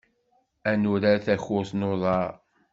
Ad nurar takurt n uḍar.